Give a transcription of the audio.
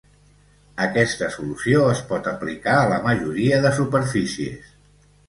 Aquesta solució es pot aplicar a la majoria de superfícies.